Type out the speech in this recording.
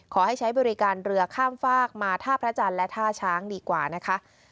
ใช้บริการเรือข้ามฝากมาท่าพระจันทร์และท่าช้างดีกว่านะคะ